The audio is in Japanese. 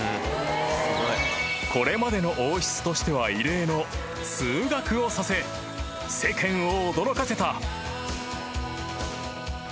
［これまでの王室としては異例の通学をさせ世間を驚かせた］